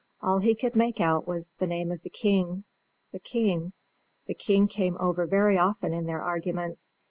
All he could make out was that the name of the king the king the king came over very often in their arguments.